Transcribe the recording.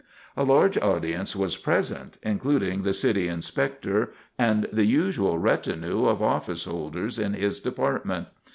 A large audience was present, including the City Inspector and the usual retinue of office holders in his department.